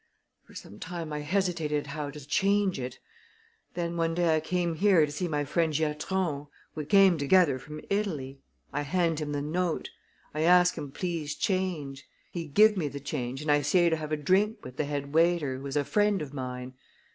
"For some time I hesitated how to change it. Then one day I came here to see my friend Giatron we came together from Italy. I hand him the note. I ask him please change. He give me the change and I stay to have a drink with the head waiter, who is a friend of mine.